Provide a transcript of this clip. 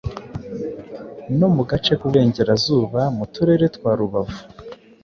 no mu gace k’uburengerazuba mu turere twa Rubavu,